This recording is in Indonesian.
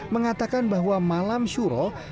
mengatakan bahwa malam suruh